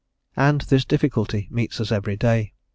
And this difficulty meets us every day.